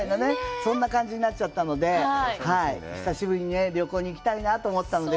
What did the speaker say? そんな感じになっちゃったので久しぶりに旅行に行きたいなと思ってたのでうれしかったです